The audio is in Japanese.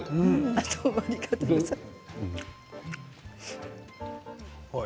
ありがとうございます。